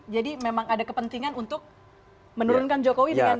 jadi memang ada kepentingan untuk menurunkan jokowi dengan tagar ini